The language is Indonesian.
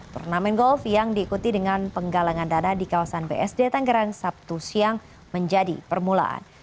turnamen golf yang diikuti dengan penggalangan dana di kawasan bsd tanggerang sabtu siang menjadi permulaan